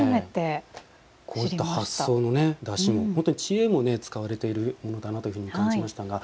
こういった発想のだしも知恵も使われているものだなというふうに感じましたが。